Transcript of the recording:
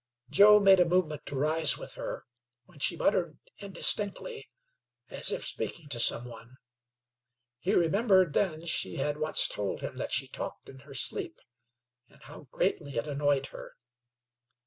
Joe made a movement to rise with her, when she muttered indistinctly as if speaking to some one. He remembered then she had once told him that she talked in her sleep, and how greatly it annoyed her.